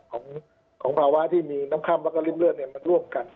ของภาวะที่มีน้ำค่ำแล้วก็ริ่มเลือดมันร่วมกัน